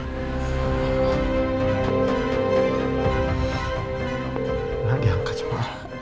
tidak diangkat coba